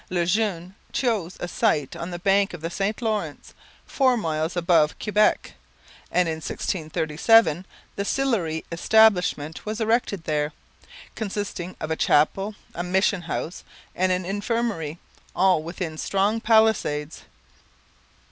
Le Jeune chose a site on the bank of the St Lawrence, four miles above Quebec; and in 1637 the Sillery establishment was erected there, consisting of a chapel, a mission house, and an infirmary, all within strong palisades.